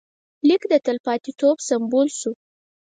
لیک د تلپاتېتوب سمبول شو.